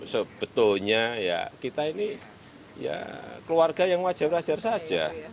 sebetulnya kita ini keluarga yang wajar wajar saja